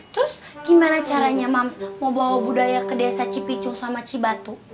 terus gimana caranya mams mau bawa budaya ke desa cipicu sama cibatu